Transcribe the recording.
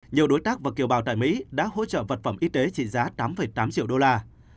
nhiều đối tác và kiều bào tại mỹ đã hỗ trợ vật phẩm y tế trị giá tám tám triệu đô la